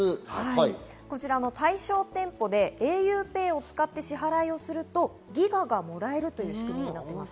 対象店舗でａｕＰＡＹを使って支払いをするとギガがもらえるという仕組みです。